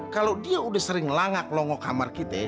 kalau dia udah sering langak longok kamar kita